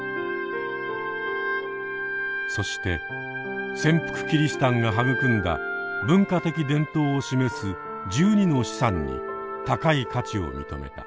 そして潜伏キリシタンが育んだ文化的伝統を示す１２の資産に高い価値を認めた。